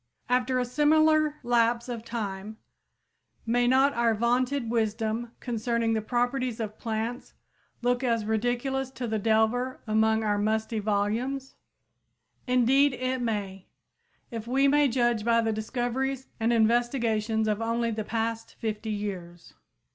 After a similar lapse of time, may not our vaunted wisdom concerning the properties of plants look as ridiculous to the delver among our musty volumes? Indeed, it may, if we may judge by the discoveries and investigations of only the past fifty years.